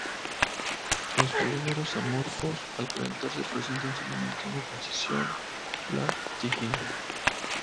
Los polímeros amorfos al calentarse presentan solamente una transición, la Tg.